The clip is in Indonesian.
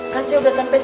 kan saya udah sampe sini